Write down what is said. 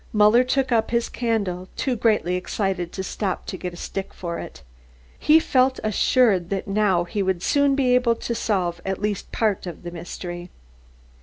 Muller took up his candle, too greatly excited to stop to get a stick for it. He felt assured that now he would soon be able to solve at least a part of the mystery.